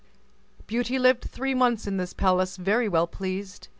Beauty lived three months in this palace very well pleased.